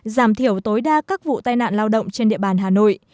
giảm thiểu tối đa các vụ tai nạn lao động trên địa bàn hà nội